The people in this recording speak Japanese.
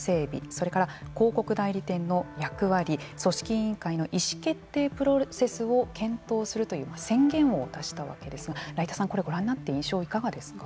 それから、広告代理店の役割組織委員会の意思決定プロセスを検討するという宣言を出したわけですが來田さんはご覧になって印象はいかがですか。